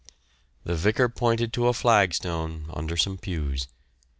The vicar pointed to a flag stone under some pews.